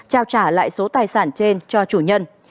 trao trả lại số tài sản trên cho chủ nhân